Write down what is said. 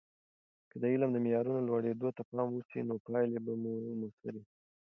که د علم د معیارونو لوړیدو ته پام وسي، نو پایلې به موثرې وي.